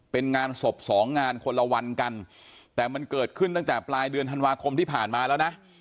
เป็นงานศพสองงานคนละวันกันแต่มันเกิดขึ้นตั้งแต่ปลายเดือนธันวาคมที่ผ่านมาแล้วนะ